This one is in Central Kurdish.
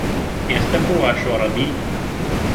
ئێستە بۆ وا شۆڕەبی